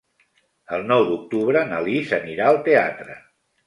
El nou d'octubre na Lis anirà al teatre.